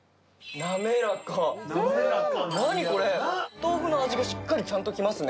豆腐の味がしっかりちゃんときますね。